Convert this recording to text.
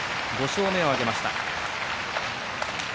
５勝目を挙げました。